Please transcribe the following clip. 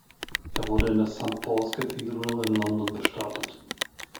Er wurde in der St Paul’s Cathedral in London bestattet.